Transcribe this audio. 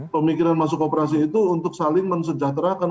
pemikiran masuk operasi itu untuk saling mensejahterakan